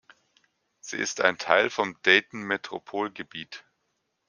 Sie ist ein Teil vom Dayton-Metropolgebiet.